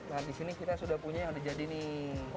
nah disini kita sudah punya yang udah jadi nih